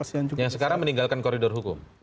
yang sekarang meninggalkan koridor hukum